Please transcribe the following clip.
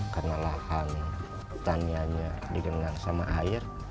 karena lahan pertaniannya digemangkan